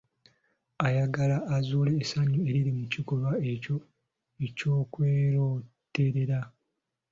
Ayagala azuule essanyu eriri mu kikolwa ekyo eky'okwerooterera.